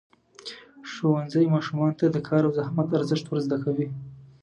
ښوونځی ماشومانو ته د کار او زحمت ارزښت ورزده کوي.